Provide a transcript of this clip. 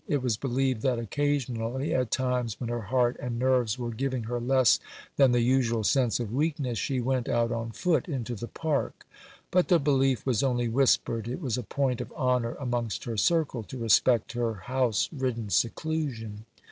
It was believed that occasionally, at times when her heart and nerves were giving her less than the usual sense of weakness, she went out on foot into the Park; but the belief was only whispered: it was a point of honour amongst her circle to respect her house ridden seclusion.